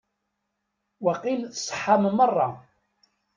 Waqil tṣeḥḥam merra.